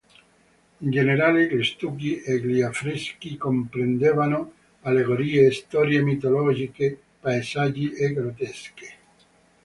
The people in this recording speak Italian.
In generale gli stucchi e gli affreschi comprendevano allegorie, storie mitologiche, paesaggi e grottesche.